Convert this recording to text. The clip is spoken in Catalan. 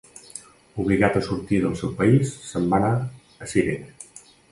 Obligat a sortir del seu país se'n va anar a Cirene.